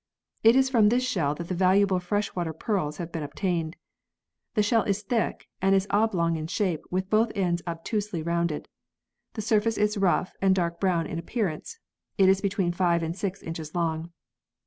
It is from this shell that the valuable fresh water pearls have been obtained. The shell is thick, and is oblong in shape with both ends obtusely rounded. The surface is rough and dark brown in appearance. It is between five and six inches long.